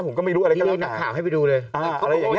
ผมก็ไม่รู้อะไรก็แล้ว